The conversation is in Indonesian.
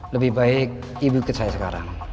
lebih baik ibu ke saya sekarang